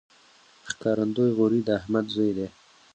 ښکارندوی غوري د احمد زوی دﺉ.